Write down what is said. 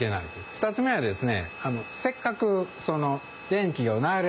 ２つ目はですね